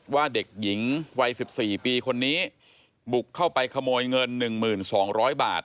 ว่าเด็กหญิงวัย๑๔ปีคนนี้บุกเข้าไปขโมยเงิน๑๒๐๐บาท